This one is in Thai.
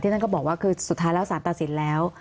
ท่านก็บอกว่าคือสุดท้ายแล้วสารตัดสินแล้ว